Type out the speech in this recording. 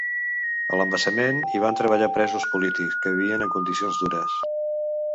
A l'embassament hi van treballar presos polítics, que vivien en condicions dures.